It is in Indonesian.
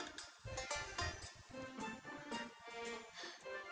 kita sampai di negeri kita